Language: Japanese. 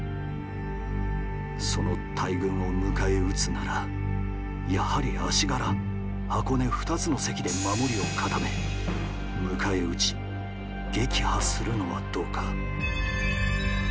その大軍を迎え撃つならやはり足柄箱根２つの関で守りを固め迎え撃ち撃破するのはどうか。